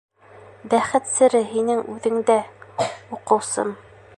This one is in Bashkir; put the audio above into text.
Бәхет сере һинең үҙеңдә, уҡыусым.